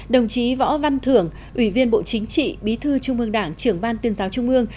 đồng chí võ văn thưởng ủy viên bộ chính trị bí thư trung ương đảng trưởng ban tuyên giáo trung ương